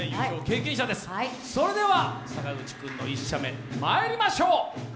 それでは坂口君の１射目まいりましょう。